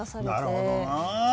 なるほどな！